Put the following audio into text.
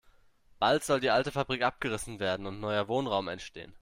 Bald soll die alte Fabrik abgerissen werden und neuer Wohnraum entstehen.